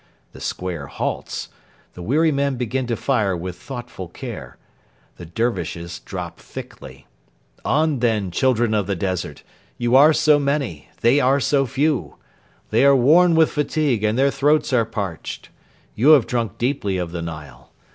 The square halts. The weary men begin to fire with thoughtful care, The Dervishes drop thickly. On then, children of the desert! you are so many, they are so few. They are worn with fatigue and their throats are parched. You have drunk deeply of the Nile.